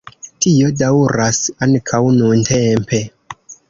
Tio daŭras ankaŭ nuntempe.